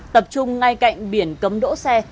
tập trung ngay cạnh biển cấm đỗ xe